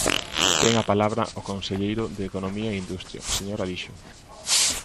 Ten a palabra o conselleiro de Economía e Industria, señor Alixo.